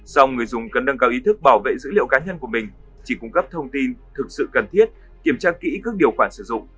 sau người dùng cần nâng cao ý thức bảo vệ dữ liệu cá nhân của mình chỉ cung cấp thông tin thực sự cần thiết kiểm tra kỹ các điều khoản sử dụng